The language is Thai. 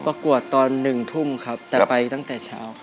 ประกวดตอน๑ทุ่มครับแต่ไปตั้งแต่เช้า